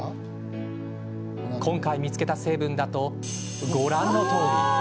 今回見つけた成分だとご覧のとおり。